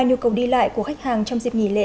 nhu cầu đi lại của khách hàng trong dịp nghỉ lễ